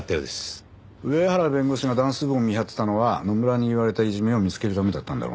上原弁護士がダンス部を見張ってたのは野村に言われたいじめを見つけるためだったんだろうな。